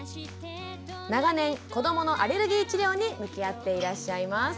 長年こどものアレルギー治療に向き合っていらっしゃいます。